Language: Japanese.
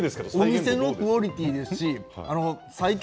お店のクオリティーですし西京